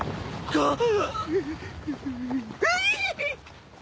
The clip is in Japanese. あっ！